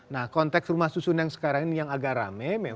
nah konteks rumah susun yang sekarang ini yang agak rame